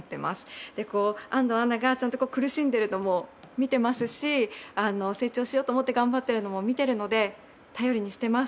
安藤アナがちゃんと苦しんでるのも見てますし成長しようと思って頑張ってるのも見てるので頼りにしてます。